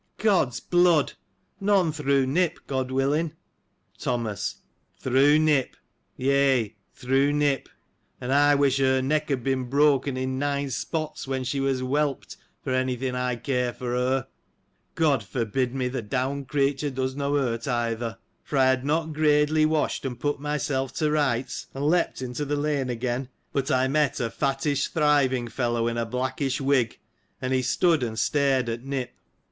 — God's blood ! none through Nip — God willing ! Thomas. — Through Nip ! Yea, through Nip ! and I wish her neck had been broken in nine spots^ when she was whelped, for any thing I care for her : (God forgive me ! th' down creature does no hurt, either,) for I had not gradely washed and put myself to rights, and* leaped into the lane, again ; but I met a fattish, thriving fellow, in a blackish wig, and he stood and stared at Nip.